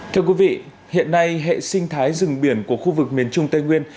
thưa quý vị hiện nay hệ sinh thái rừng biển của khu vực miền trung tây nguyên